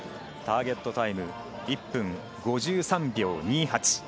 ターゲットタイムは１分５３秒２８。